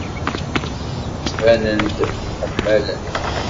Ttbanen-d mḥemmalen.